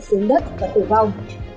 sướng đất và tử vong